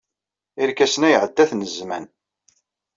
Irkasen-a iɛedda-ten zzman.